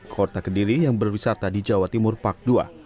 kota kediri yang berwisata di jawa timur park dua